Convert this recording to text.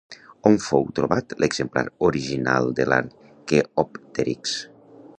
On fou trobat l'exemplar original de l'arqueòpterix?